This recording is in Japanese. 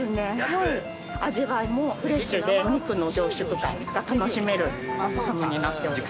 はい味わいもフレッシュでお肉の凝縮感が楽しめるハムになっております